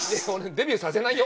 デビューさせないよ？